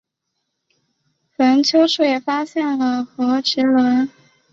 坟丘处也发现了和埴轮。